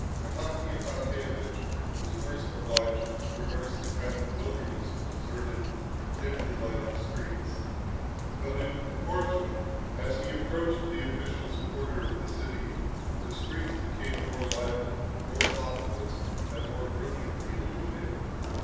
Akaky Akakiyevich was first obliged to traverse a kind of wilderness of deserted, dimly lighted streets. But in proportion as he approached the official's quarter of the city, the streets became more lively, more populous, and more brilliantly illuminated.